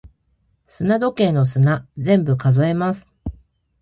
砂時計の砂、全部数えます。